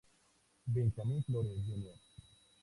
Benjamin Flores Jr.